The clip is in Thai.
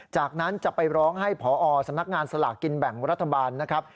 จากนั้นจะไปร้องให้พอสำนักงานสลากกินแบ่งรัฐบาลนะครับ